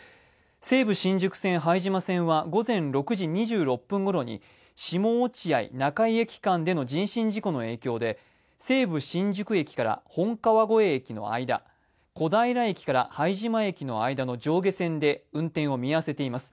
西武新宿線拝島線は午前６時２６分頃に下落合ー中井駅の間で人身事故の影響で西武新宿駅から本川越駅の間、小平駅から拝島駅の間の上下線で運転を見合わせています。